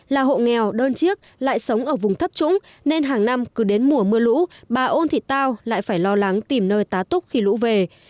là hộ nghèo đơn chiếc lại sống ở vùng thấp trũng nên hàng năm cứ đến mùa mưa lũ bà ôn thị tao lại phải lo lắng tìm nơi tá túc khi lũ về